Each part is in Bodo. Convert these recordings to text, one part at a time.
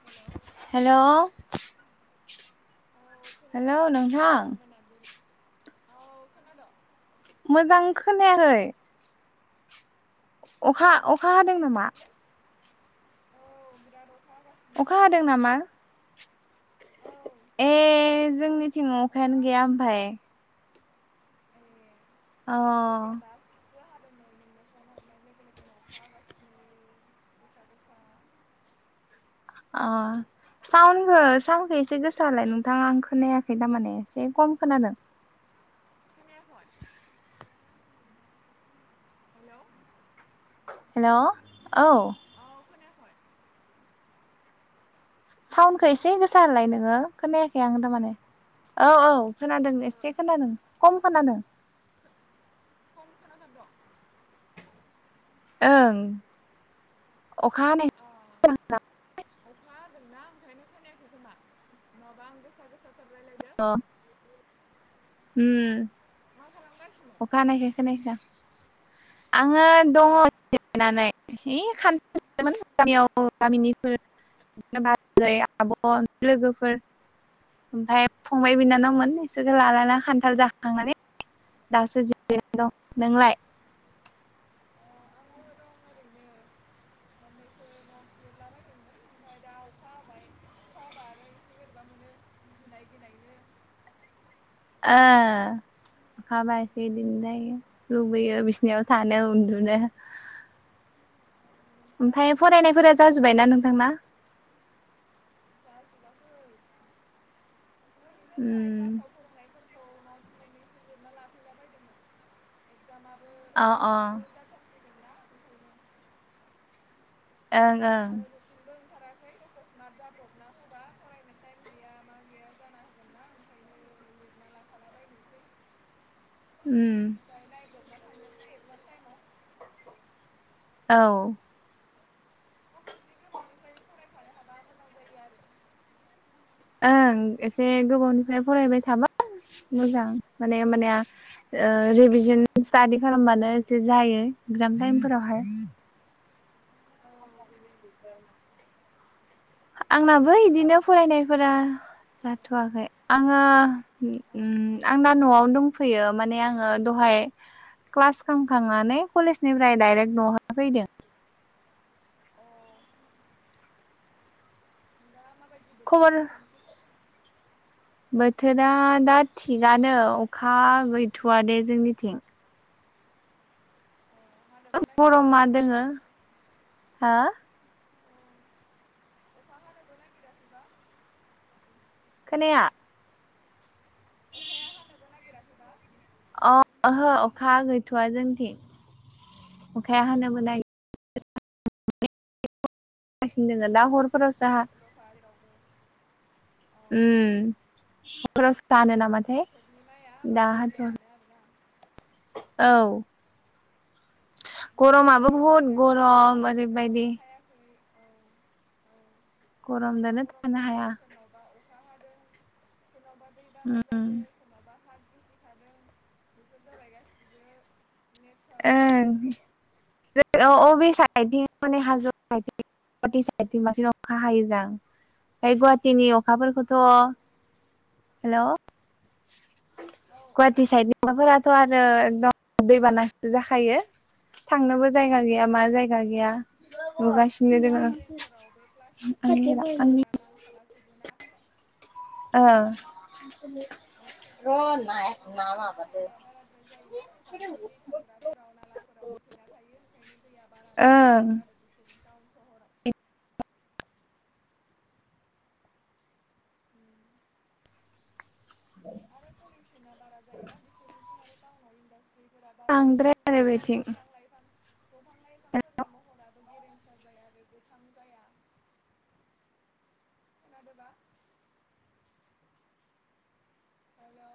Hello hello. औ खुलुमनाय नोंथां मोनाबिलिनि, औ खोनादोंं? मोजां खोनायाखै। अखा अखा हादों खोनायाखै नामा? [unintelligible] अखा हादों जोंनियाव नामा? औ ए जोंनि जोनाव अखा अखायानो हादों गैया ओमफाय। अ धोन्यबाद। इसे हादों नै। नोंनो फन हरनाय लोगो लोगोनो, अखा हागासिनो, गोसा गोसा। अ। साउन्ड हो साउन्डखो एसे गोसा होलाय नोंथां आं खोनायाखै दामाने, एसे कम खोनादों। खोनायाखै हेल'। हेल' औ। औ खोनायाखै? साउन्डखौ हेलौ एसे गोसाहोलाय नोङो, खोनायाखै आं दामाने। औ औ खोनादों ओ एसे खोनादों। खम खोनादों। खम खोनाथार दों? ओं। अखा हानाय ओम। अखा हादोंना ओंखायनो खोनायाखै खोमा? नङाबा आं गोसा गोसाथार रायलायदों। उम। [unintelligible] अखा हानायखाय खोनायाखै आं। आङो दङ जिरायनानै। एै खान्थिमोन गामियाव गामिनिफोर बाजै, आब', लोगोफोर, ओमफाय फंबाय बिनानावमोन बिसोरो अ लालाना खान्थाल जाखांनानै दासो जिरायना दं। नोंलाय? अ' आंबो दो ओरैनो। मोननैसो नत्स लिरलाबायदोंमोन। ओमफ्राय दा अखा हाबाय, अखा हाबा आरो एसे बोरैबा मोनो। गिनाय गिनायनो। आ। अखा हाबा एसे बिदिनो जायो लुबैयो बिसनियाव थानो उन्दुनो। [unintelligible] ओमफ्राय जमा फरायनायफोरा जमा जाजोब्बायना नोंथांना [unintelligible] जाजुबाखै। उम। क्लासाव फोरोंनायफोरखौ नतस् मोननैसो लिरना लाफैला बायदोंमोन। एगजामाबो अ अ फाइनेलआबो जाथारसिगोन ना ओंखायनो। ओं ओं। [unintelligible] ओंखाराखै एखस्माट जाब्रबना होबा फरायनो टाइम गैया मा गैया जाना [unintelligible] ओंखायनो लिरना लाखाला बायनोसै। उम। ओमफ्राय नायब्रबना थांनोसै इक्जाम टाइमाव। औ। बेखायनो फरायखानो हाबा मोजां जायो आरो। ओं एसे गोबावनिफ्राय फरायबाय थाबा मोजां माने होमबानिया ओ रिभिजन स्टाडि खालामबानो एसे जायो एगजाम टाइम फोरावहाय। आरो औ बेनो [inaudible] आंनाबो दालाय इदिनो बहाथो दं नोंथां फरायनायफोरा जाथ'वाखै आङो ओ ओम आं दा न'आवनो दंफैयो माने आङो ओ दहाय क्लास खालामखांनानै कलेजनिफ्राय डाइरेक्ट नवावहा फैदो। अ दा माबायदि बोथोरा खबर नोंसोनिथिं बोथोरा दा थिगानो अखा गैथ'वा दे जोंनिथिं। अ हानोबो [unintelligible] गरमा नागिराखैबा दङो, हो? अ अखा हानोबो नागिराखैबा। खोनाया। अखाया हानोबो नागि राखै बा? अ ओहो अखा गैथ'वा जोंनिथिं, अखाया हानोबो नाय गासिनो दोङो दा हरफोरावसो हा [unintelligible] अ ओम [unintelligible] होनो नामाथाय? बिनि माया मा दा बुंनो हाथ'वाखै हानो आरोना? औ। जायगा गरमाबो लायै बहुद जायगा सोरनावबा गरम हादों ओरैबायदि। सोरनावबा हायाखै औ सोरनावबा गरमजोंनो गरम थानो जादों हाया सोरनावबा अ खा हादों, सोरनावबा दैबाना उम जादों, सोरनावबा हा गिसिखादों बेफोर जाबाय गासिबो नेचारेल ओं [unintelligible] गुवाटि साइदथिं बांसिन अखा हायो जां, ओमफ्राय गुवाहाटिनि अखाफोरखौथ' हेलव? औ औ गुहाटि साइडनि अखाफोराथ' आरो एकदम दैबानासो जाखायो। थांनोबो जायगा गैया औ मा जायगा गैया नुगासिनो दङो। ड्रेइनफोराव बे प्लास्टिकनि बाहायनायफोरा नांथाला जोबोना। ओ [unintelligible] प्लास्टिकफोरनि बा बाहायनाया बाराद्राय जायोना बे जाम्फै दै थांग्राफोराव, नालाफोराव होथेना थायो ओंखायनो दैया बारा जानो ओं नागेरो आरो बेथिं टाउन सहराव। आरो [inaudible] [unintelligible] जायोना बिसोरनिथिं आरो टाउनाव इन्डासट्रि फोरा बारा बांद्राय बाराद्राय, आरो ओंखायनो बेथिं दंफां लाइफां दंफां लाइफांफोरनि महराबो गेरेमसा जाया आरो गोथां जाया। खोनादोंबा? हेलौ।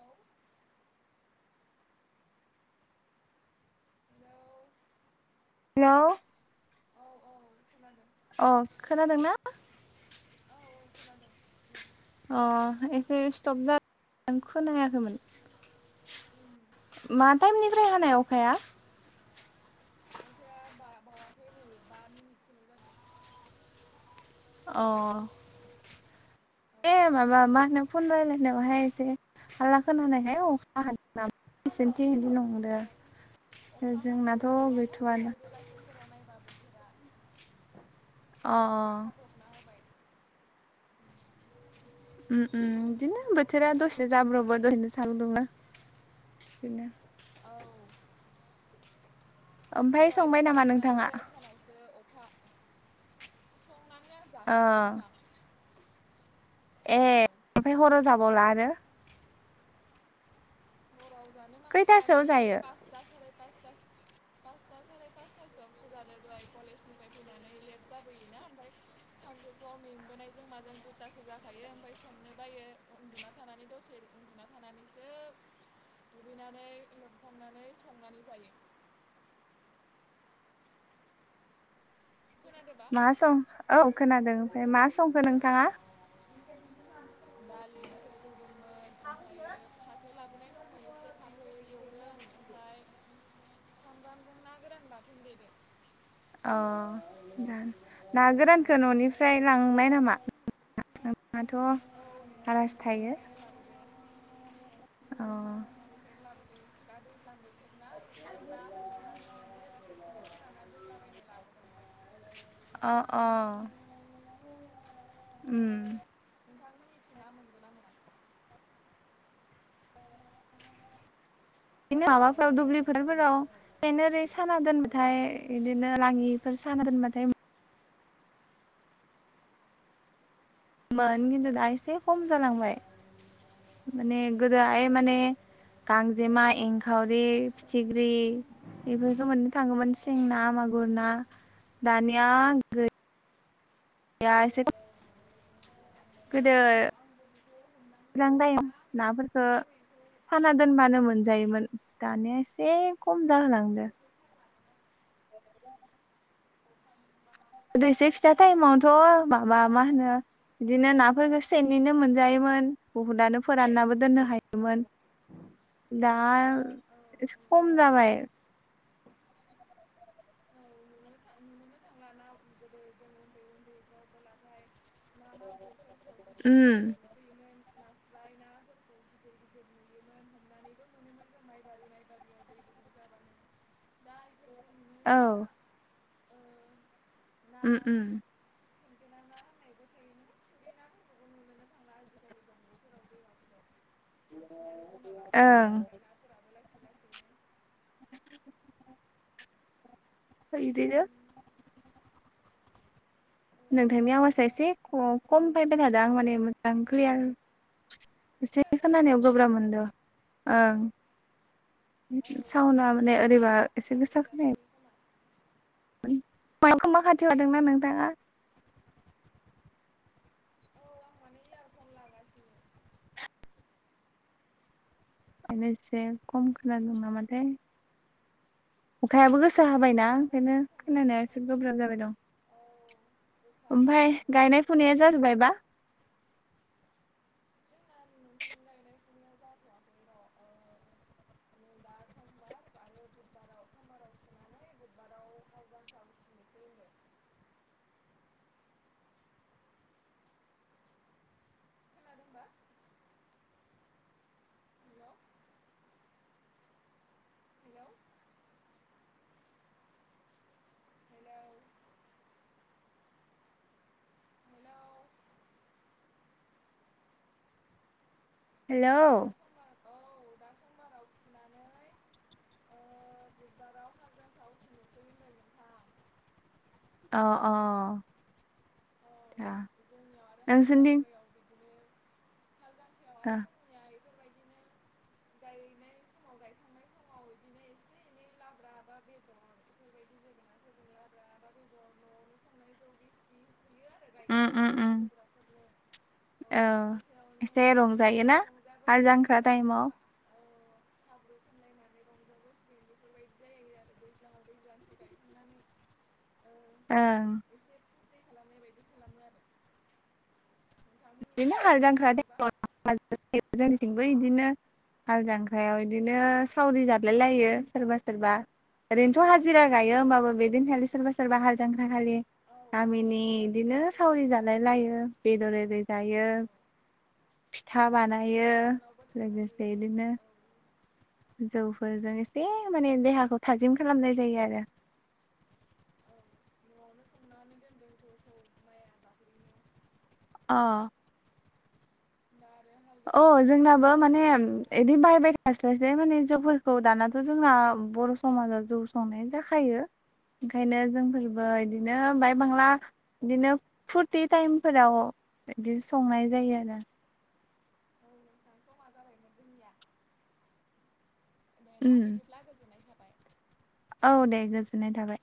Hello hello. औ औ खोनादों अ खोनादोंना? औ औ खोनादों। ओम अ एसे स्टप जादों खोनायाखैमोन। ओम मा टाइमनिफ्राय हानाय अखाया? खाया बा-बावाखै नै बामिनिट सोल' अ दे माबा मा होनो फन रायलायनायावहाय एसे हाला खोनानायखाय अखा हानाय नामा बिसोरनिथिं औ नंदों। अखा हाथावना नङामोन दहाय बेलासिफोराव नायबा बोथोरा। अ अखसमाथ हाब्रबना होबाय। ओम ओम बोथोरनि बिदिनो बोथोरा फावथिना मा दसेनो बुंनो जाब्रबो आरो दसेनो सानदुं दुङो। बिदिनो औ। ओमफ्राय दहाय संबाय नामा फुङावसो आरो नोंथाङा दहाय सानावसो अखा संनानै आं ओ जाखांबायमोन दा। ए ओमफ्राय हराव जाबावला आरो? हराव जानो माने खैथासोआव दानि जायो पासथा साराइ पासथास पासथा साराइ फासथासोआवसो जादो दहाय कलेजनिफ्राय फैनानै लेट जाबोयोना। ओमफ्राय सानजौफुआव मेंबोनायजों माजों दुथासो जाखायो ओमफ्राय संनो बायो। उन्दुना थानानै दसे उन्दुना थानानैसो दुगैनानै लोबखांनानै संनानै जायो। खोनादोबा? मा सं औ खोनादों ओमफ्राय मा संखो औ नोंथाङा? दालिसो रुदोंमोन ओमफ्रायो फाथो लाबोनाय दंमोन एसे फाथो एवदों। आमफ्राय सामब्रामजों ना गोरान बाथोन देदों। अ ना ना गोरानखौ न'निफ्राय लांनाय नामा? नोंथाङाथ' औ नोंथां न'निफ्रायनो लाबोदों। अ औ नोंथां न'निफ्रायनो लाबोदों दा दैज्लां बोथोर ना दुब्लियाव ना हमैबानो मोनो बेफोरखौनो फोरानना दोनलाबायनाय लाबोदों। अ अ। ओम। नोंथांमोननिथिं ना मोनगोन ना मोना? दिनो माबाफोराव दुब्लिफोरफोराव सेन ओरै साना दोनबाथाय इदिनो लाङिफोर साना दोनबाथाय मोन औ खिन्थु दा औ एसे खम जालांबाय माने गोदोहाय औ माने गांजेमा, एंखावरि, फिथिख्रि इफोरखौ मोननो थाङोमोन सें ना, मागुर ना दानिया गै या एसे [unintelligible] गोदो नुनोनो [unintelligible] नाफोरखौ साना दोनबानो मोनजायोमोन, दानिया एसे खम जाहोलांदो। [inaudible] गोदो एसे फिसा टाइमावथ' माबा मा होनो बिदिनो नाफोरखौ सेननिनो मोनजायोमोन बुहुदानो फोराननाबो दोननो हायोमोन। दा [unintelligible] खम जाबाय। [unintelligible] ना मागुरफोरखौ गिदिर गिदिर उम नुसोयोमोन नास्राय नाफोरखौ। गिदिर गिदिर नुयोमोन हमनानैबो मोनोमोन जों माइ बारि माइ बारि [unintelligible] औ। ओ उम ना उम। [unintelligible] [unintelligible] दैमाफोराव बांसिनानो गोमालांनो ओं [unintelligible] औ इदिनो नोंथांनि आवास एसे खम फैबाय थादों आं माने मोजां क्लियार एसे फिसा जाबाय खोनानायाव गोब्राब मोनदों ओं औ साउना माने अखा ओरैबा हादोंना खोना एसे गोसा खोनायो हस्लाबाखै खोमा खोमा खाथियाव लादोंना नोंथाङा [unintelligible] फन लागासिनो ओंखायनो एसे खम खोनादोंं नामाथाय अखायाबो गोसा औ हाबायना आदा ओंखायनो होनखांनायनि खोनानाया उनाव एसे गोब्राब जाबाय दं औ गोसा ओमफाय हासोदों गायनाय अखाया फुनाया जाजोबबायबा [unintelligible] गायनाय फुनाया जाथ'वाखै र' ओ नै दा समबार आरो बुधबाराव समबाराव फुनानै बुधबाराव [unintelligible] [unintelligible] खोनादोंबा hello hello hello hello hello जोंनिया दा समबार औ दा समबाराव फुनानै ओ [unintelligible] औ औ अ नोंसि जोंनियाव नोंसोरनिथिं [unintelligible] दा दा इफोरबायदिनो गायनाय [unintelligible] औ इदिनो इसे एनै ब्लाबो माबा बेदर [unintelligible] ओम ओम ओम हालेवग्राफोरनो औ बिनि सायावनो एसे रंजायो एसे ना हालजांख्रा रंजाबोसिगोन टाइमाव साब्र' सामलायनानै रंजाम बस्ं बेफोरबायदि जायो आरो दैज्लाङाव दैज्लांस गायखांनानै ओ एसे फुरथि खालामनाय बायदि खालामो आरो बिदिनो नोंथांमोननिथिंबो हालजांख्रा खालामोबा [unintelligible] जोंनिथिंबो बिदिनो हाल जांख्रायाव बिदिनो औ सावरि जादलाय लायो सोरबा सोरबा ओरैनोथ हाजिरा गायो औ होमबाबो बेदिनखालि सोरबा सोरबा हाल जांख्राखालि औ औ गामिनि सोरबा सोरबा इदिनो ओरैनो सावरि थांना जालाय होयो लायो बेदर जायो औ फिथा बानायो नोंसानावबो थांनो हायो लोगोसे जोङो इदिनो औ जौफोरजों एसे माने देहाखौ थाजिम खालामनाय जायो आरो औ नआवनो संनानै दोन [unintelligible] अ [unintelligible] अ जोंनाबो जाहैनायजों माने माजों बिदि बायबाय लोमजाहैसिगोन थास्लायस्लाय माने जौफोरखौ दानाथ' जोंना बर' समाजाव जौ संनाय जाखायो ओंखायनो औ जोंफोरबो नोंथां बिदिनो बाय बांला बिदिनो फुरथि टाइमफोराव बिदि संनाय जायो आरो औ नोंथां समा जाबायमोन जोंनिया ना उम बिदिब्ला गोजोननाय थाबाय औ दे गोजोननाय थाबाय